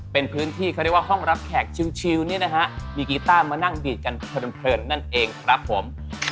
เป็นพื้นที่เขาเรียกว่าห้องรับแขกชิลเนี่ยนะฮะมีกีต้ามานั่งดีดกันเพลินนั่นเองครับผม